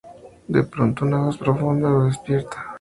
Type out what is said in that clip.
De pronto una voz profunda lo despierta.